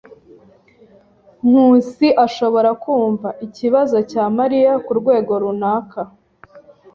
Nkusi ashobora kumva ikibazo cya Mariya kurwego runaka.